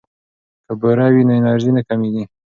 که بوره وي نو انرژي نه کمیږي.